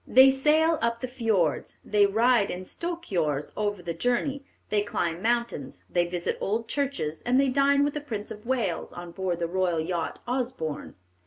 They sail up the fiords, they ride in stolkjoerres over the country, they climb mountains, they visit old churches, and they dine with the Prince of Wales on board the royal yacht Osborne.